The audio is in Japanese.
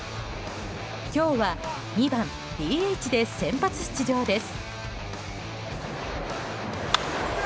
今日は２番ＤＨで先発出場です。